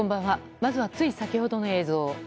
まずは、つい先ほどの映像。